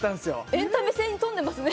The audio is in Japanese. エンタメ性に富んでますね